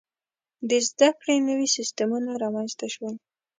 • د زده کړې نوي سیستمونه رامنځته شول.